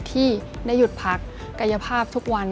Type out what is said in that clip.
ที่ได้หยุดพักกายภาพทุกวัน